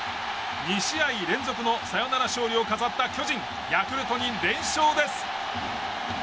２試合連続のサヨナラ勝利を飾った巨人ヤクルトに連勝です。